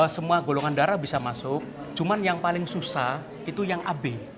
semua golongan darah bisa masuk cuman yang paling susah itu yang ab